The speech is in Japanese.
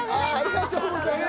ありがとうございます。